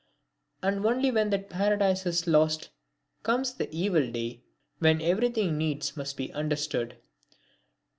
And only when that paradise is lost comes the evil day when everything needs must be understood.